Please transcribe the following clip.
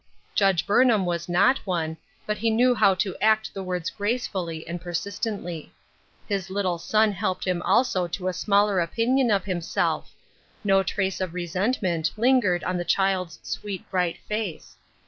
Judge Burnham was not one, but he knew how to act the words gracefully and persistently. His little son helped him also to a smaller opinion of himself ; no trace of resentment lingered on the child's sweet, bright face.